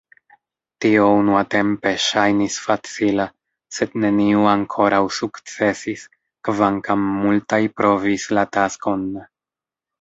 Tio unuatempe ŝajnis facila, sed neniu ankoraŭ sukcesis, kvankam multaj provis la taskon.